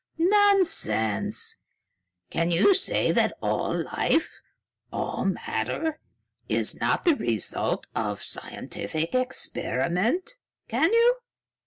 "Nonsense! Can you say that all life all matter is not the result of scientific experiment? Can you?"